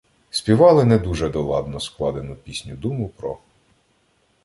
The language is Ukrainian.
Співали не дуже доладно складену пісню-думу про.